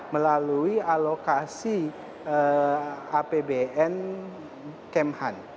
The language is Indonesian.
melalui alokasi apbn kemhan